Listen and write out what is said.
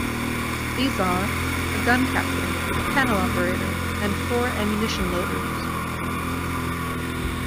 These are a gun captain, a panel operator, and four ammunition loaders.